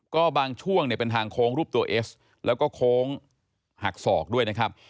ก็บางช่วงเนี่ยเป็นทางโค้งรูปตัวเอสแล้วก็โค้งหักศอกด้วยนะครับ